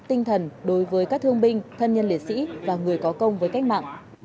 tinh thần đối với các thương binh thân nhân liệt sĩ và người có công với cách mạng